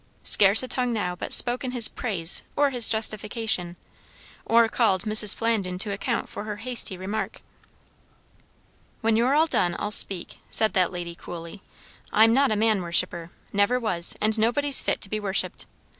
Scarce a tongue now but spoke in his praise or his justification, or called Mrs. Flandin to account for her hasty remark. "When you're all done, I'll speak," said that lady coolly. "I'm not a man worshipper never was; and nobody's fit to be worshipped.